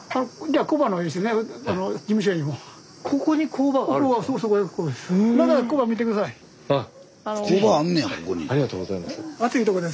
ありがとうございます。